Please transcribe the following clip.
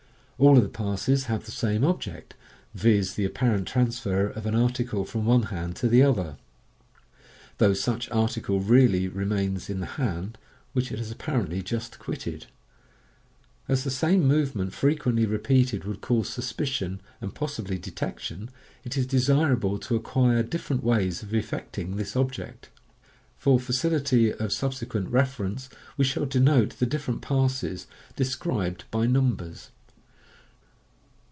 All of the passes have the same object — viz., the apparent transfer of an article from one hand to ihe other, though such article really remains in the hand which it has apparently just quitted. As the same movement frequently repeated would cause suspicion, and possibly detection, it is desirable to acquire different ways of effecting this object. For facility of sub sequent reference, we shall denote the different passes described by numbers.